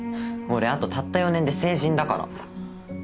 俺あとたった４年で成人だから。